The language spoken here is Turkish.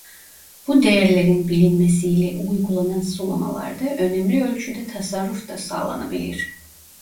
Bu değerlerin bilinmesi ile uygulanan sulamalarda önemli ölçüde tasarruf da sağlanabilir.